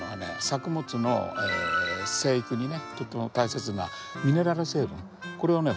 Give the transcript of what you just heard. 作物の生育にねとっても大切なミネラル成分これをね